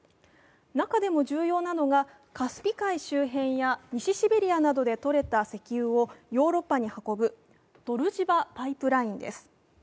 中でも重要なのがカスピ海周辺や西シベリアなどでとれた石油をヨーロッパに運ぶドルジバパイプラインです。